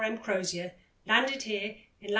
M. Crozier, landed here in lat.